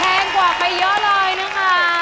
แพงกว่าไปเยอะเลยนะคะ